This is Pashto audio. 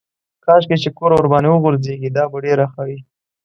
کاشکې چې کور ورباندې وغورځېږي دا به ډېره ښه وي.